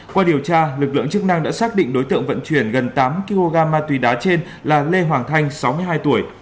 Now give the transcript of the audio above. qua điều tra lực lượng chức năng đã xác định đối tượng vận chuyển gần tám kg ma túy đá trên là lê hoàng thanh sáu mươi hai tuổi